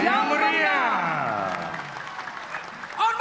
di beberapa lalu